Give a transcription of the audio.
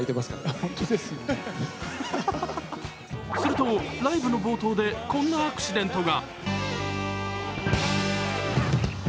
すると、ライブの冒頭でこんなアクシデントが。